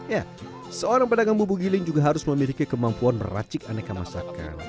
ya seorang pedagang bubuk giling juga harus memiliki kemampuan meracik aneka masakan